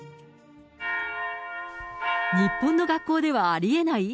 日本の学校ではありえない？